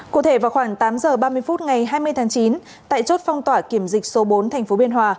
cụ thể vào khoảng tám giờ ba mươi phút ngày hai mươi tháng chín tại chốt phong tỏa kiểm dịch số bốn tp biên hòa